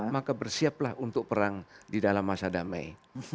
maka bersiaplah untuk perang di dalam masa damai